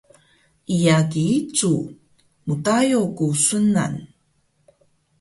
Iya kiicu! Mdayo ku sunan